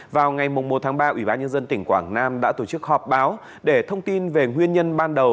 vào ngày một ba ủy ban nhân dân tỉnh quảng nam đã tổ chức họp báo để thông tin về nguyên nhân ban đầu